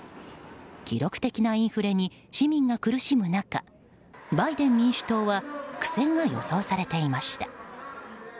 記録的なインフレに市民が苦しむ中バイデン民主党は苦戦が予想されていました。